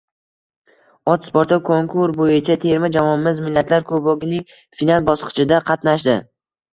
Ot sporti: konkur bo‘yicha terma jamoamiz “Millatlar kubogi”ning final bosqichida qatnashdi